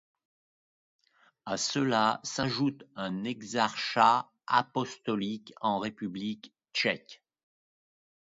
À cela s'ajoute un exarchat apostolique en République tchèque.